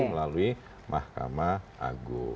melalui mahkamah agung